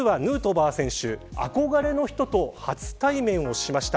実は、ヌートバー選手憧れの人と初対面をしました。